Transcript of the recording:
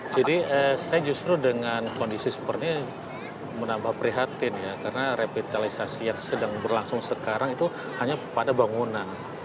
jadi saya justru dengan kondisi seperti ini menambah prihatin ya karena revitalisasi yang sedang berlangsung sekarang itu hanya pada bangunan